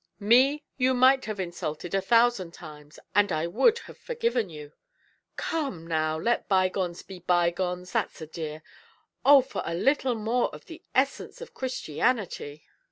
Me you might have insulted a thousand times, and I would have forgiven you." "Come now, let bygones be bygones, that's a dear. Oh for a little more of the essence of Christianity!